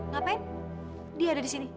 ngapain dia ada di sini